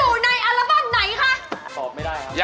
อยู่ในอัลบั้มไหนคะ